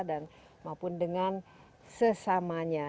dan maupun dengan sesamanya